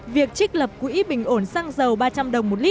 việc trích lập quỹ bình ổn giá xăng dầu đã được thực hiện